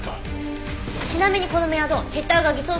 ちなみにこのメアドヘッダーが偽装されていました。